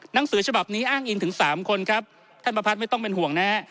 หนังสือฉบับนี้อ้างอิงถึงสามคนครับท่านประพัทธไม่ต้องเป็นห่วงนะฮะ